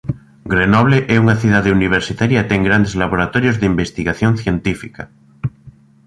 Grenoble é unha cidade universitaria e ten grandes laboratorios de investigación científica.